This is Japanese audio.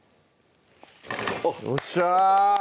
よっしゃ